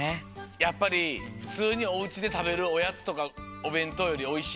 やっぱりふつうにおうちでたべるおやつとかおべんとうよりおいしい？